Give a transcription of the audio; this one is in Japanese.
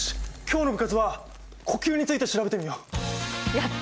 やった！